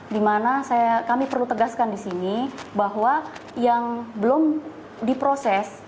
di mana kami perlu tegaskan di sini bahwa yang belum diproses